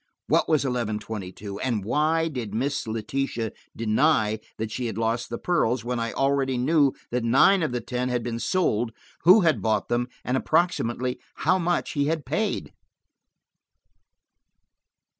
What was eleven twenty two? And why did Miss Letitia deny that she had lost the pearls, when I already knew that nine of the ten had been sold, who had bought them, and approximately how much he had paid?